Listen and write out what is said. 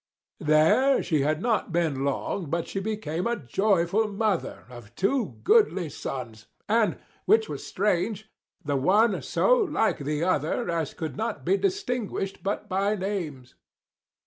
There had she not been long but she became 50 A joyful mother of two goodly sons; And, which was strange, the one so like the other As could not be distinguish'd but by names.